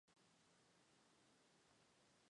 妳可以去试试看